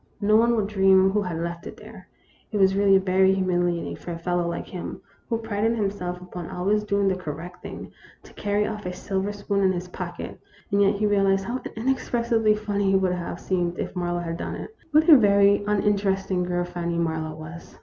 No one would dream who had left it there. It was really very humiliating for a fellow like him, who prided himself upon always doing the correct thing, to carry off a silver spoon in his pocket, and yet he realized how inexpressibly funny it would have seemed if Marlowe had done it. What a very un interesting girl Fanny Marlowe was